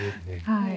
はい。